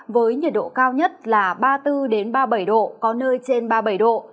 với nhiệt độ cao nhất là ba mươi bốn ba mươi bảy độ có nơi trên ba mươi bảy độ